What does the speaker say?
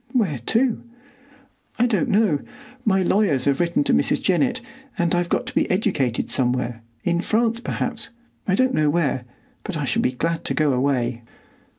"Where to?" "I don't know. My lawyers have written to Mrs. Jennett, and I've got to be educated somewhere,—in France, perhaps,—I don't know where; but I shall be glad to go away."